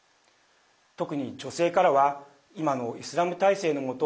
特に女性からは今のイスラム体制の下